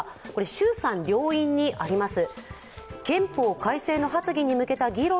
衆参両院にあります。